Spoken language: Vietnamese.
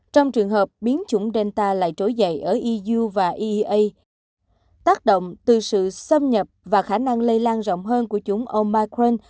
trong trường hợp biến chủng delta lại trối dậy ở eu và eea tác động từ sự xâm nhập và khả năng lây lan rộng hơn của chủng omicron